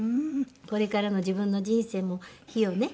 これからの自分の人生も火をね